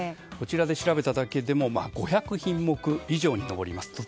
こちらで調べただけでも５００品目以上に上ります。